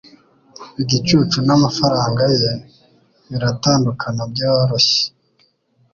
Igicucu n'amafaranga ye biratandukana byoroshye.